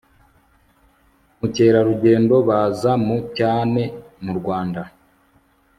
mukerarugendo baza mu cyane mu rwanda